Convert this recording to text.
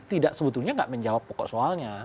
tidak sebetulnya tidak menjawab pokok soalnya